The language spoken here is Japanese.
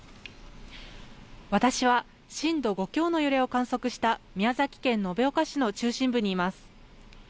私は震度５強の揺れを観測した宮崎県延岡市の中心部にいます。